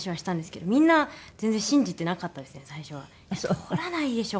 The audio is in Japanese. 「通らないでしょ。